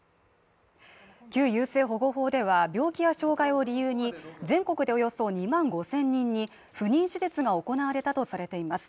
旧優生保護法では、病気や障害を理由に、全国でおよそ２万５０００人に不妊手術が行われたとされています。